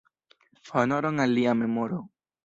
Honoron al lia memoro!